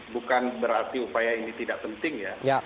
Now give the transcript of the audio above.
bukan berarti upaya ini tidak penting ya